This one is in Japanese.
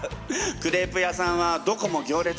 クレープ屋さんはどこも行列。